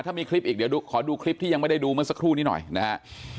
ถ้ามีคลิปอีกเดี๋ยวขอดูคลิปที่ยังไม่ได้ดูเมื่อสักครู่นี้หน่อยนะฮะ